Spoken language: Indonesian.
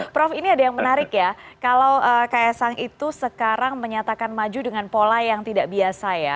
prof ini ada yang menarik ya kalau ks sang itu sekarang menyatakan maju dengan pola yang tidak biasa ya